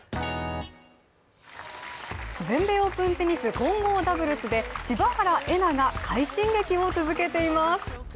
全米オープンテニス・混合ダブルスで柴原瑛菜が快進撃を続けています。